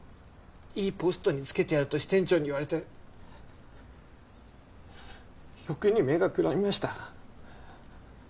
「いいポストにつけてやる」と支店長に言われて欲に目がくらみました